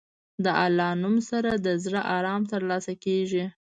د الله نوم سره د زړه ارام ترلاسه کېږي.